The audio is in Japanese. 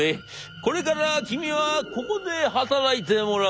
これから君はここで働いてもらうよ。